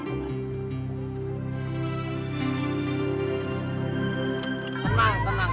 tenang tenang tenang